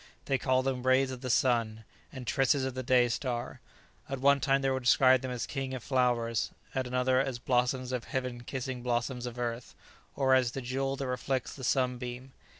They call them "rays of the sun," and "tresses of the day star;" at one time they will describe them as "king of flowers," at another as "blossoms of heaven kissing blossoms of earth," or as "the jewel that reflects the sunbeam."